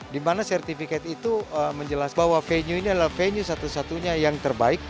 di mana sertifikat itu menjelaskan bahwa venue ini adalah venue satu satunya yang terbaik